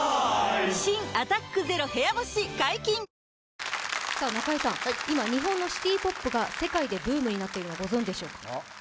新「アタックＺＥＲＯ部屋干し」解禁‼今日本のシティポップが世界でブームになっているのご存じでしょうか？